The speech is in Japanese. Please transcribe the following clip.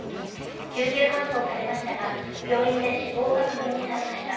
救急搬送されましたが、病院で死亡が確認されました。